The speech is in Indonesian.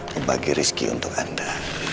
membagi rezeki untuk anda